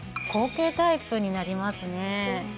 後傾タイプになりますね。